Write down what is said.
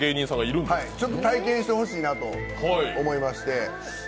ちょっと体験してほしいなと思いまして。